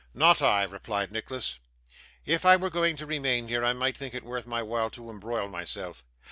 'Not I,' replied Nicholas. 'If I were going to remain here, I might think it worth my while to embroil myself.